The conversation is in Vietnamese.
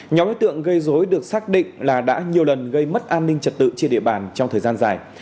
nhóm đối tượng gây dối được xác định là đã nhiều lần gây mất an ninh trật tự trên địa bàn trong thời gian dài